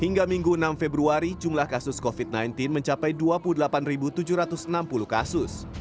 hingga minggu enam februari jumlah kasus covid sembilan belas mencapai dua puluh delapan tujuh ratus enam puluh kasus